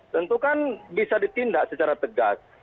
tentu kan bisa ditindak secara tegas